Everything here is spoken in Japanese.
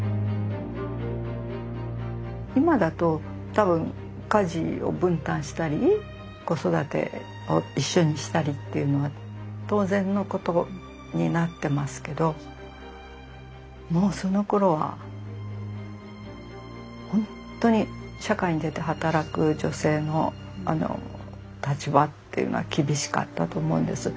今だと多分家事を分担したり子育てを一緒にしたりっていうのは当然のことになってますけどもうそのころはほんとに社会に出て働く女性の立場っていうのは厳しかったと思うんです。